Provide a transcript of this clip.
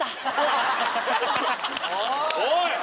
おい！